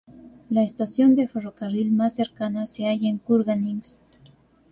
La estación de ferrocarril más cercana se halla en Kurgáninsk.